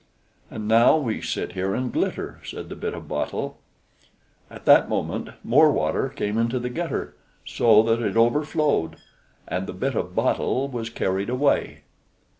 "And now we sit here and glitter!" said the Bit of Bottle. At that moment more water came into the gutter, so that it overflowed, and the Bit of Bottle was carried away.